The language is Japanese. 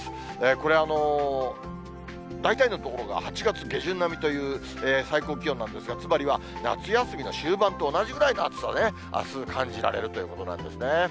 これ、大体の所が８月下旬並みという最高気温なんですが、つまりは夏休みの終盤と同じぐらいの暑さね、あす感じられるということなんですね。